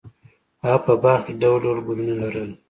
هغه په باغ کې ډول ډول ګلونه لرل.